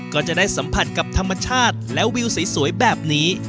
ก็จะได้สัมผัสกับธรรมชาติและวิวสวยแบบนี้